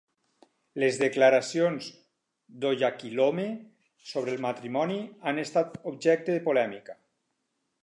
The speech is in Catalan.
Les declaracions d'Oyakhilome sobre el matrimoni han estat objecte de polèmica.